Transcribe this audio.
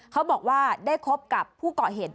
เขาบอกว่าได้คบกับผู้ก่อเหตุ